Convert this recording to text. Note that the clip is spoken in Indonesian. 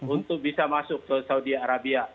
untuk bisa masuk ke saudi arabia